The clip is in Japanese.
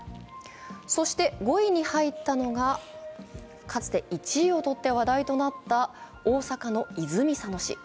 そして、５位に入ったのがかつて１位をとって話題となった大阪の泉佐野市。